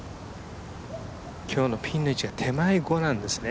今日のピンの位置が手前、５なんですね。